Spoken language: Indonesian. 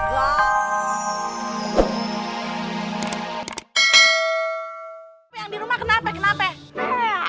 yang di rumah kenapa